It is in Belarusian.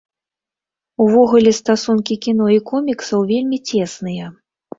Увогуле, стасункі кіно і коміксаў вельмі цесныя.